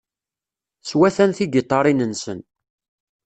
Swatan tigiṭarin-nsen.